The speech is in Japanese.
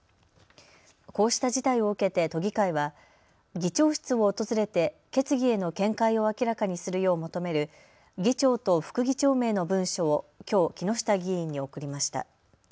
こうした事態を受けて都議会は議長室を訪れて決議への見解を明らかにするよう求める議長と副議長名の文書をきょう木下議員に送りました。